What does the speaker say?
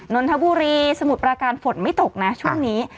นนทบุรีสมุทรปราการฝนไม่ตกนะช่วงนี้